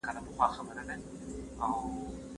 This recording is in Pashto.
انا په هغه شپه د پښېمانۍ اوښکې تویې کړې.